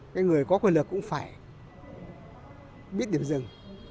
cái người có quyền lực cũng phải biết điểm dừng